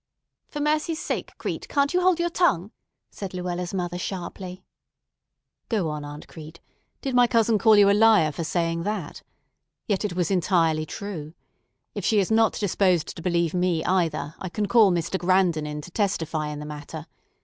"For mercy's sake, Crete, can't you hold your tongue?" said Luella's mother sharply. "Go on, Aunt Crete; did my cousin call you a liar for saying that? Yet it was entirely true. If she is not disposed to believe me either, I can call Mr. Grandon in to testify in the matter.